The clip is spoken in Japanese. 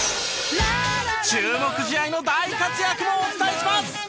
注目試合の大活躍もお伝えします！